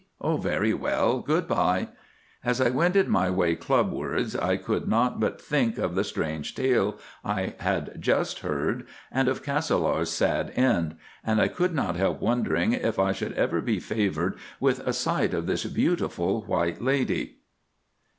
Very well, good bye." As I wended my way Clubwards I could not but think of the strange tale I had just heard and of Castelar's sad end, and I could not help wondering if I should ever be favoured with a sight of this beautiful White Lady.